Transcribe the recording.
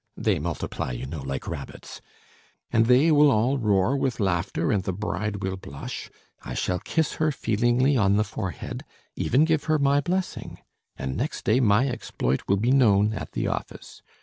They multiply, you know, like rabbits. And they will all roar with laughter and the bride will blush; I shall kiss her feelingly on the forehead, even give her my blessing ... and next day my exploit will be known at the office.